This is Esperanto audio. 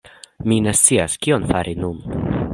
Mi ne scias kion fari nun.